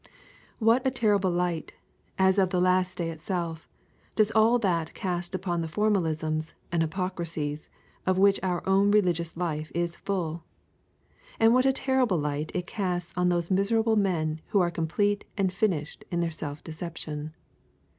What a terrible light, as of the last day itself, does all that cast upon the formalisms and the hypocrisies of which our own religious life is full! And what a terrible light it casts on those miserable men who are complete and finished in their self deception!